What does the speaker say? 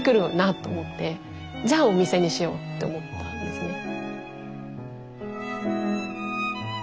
じゃあお店にしようって思ったんですね。